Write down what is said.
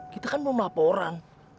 kita kan belum laporan